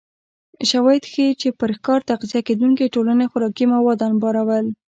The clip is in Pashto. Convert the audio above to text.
شواهد ښيي چې پر ښکار تغذیه کېدونکې ټولنې خوراکي مواد انبارول